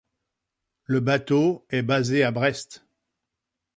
Le bateau est basé à Brest.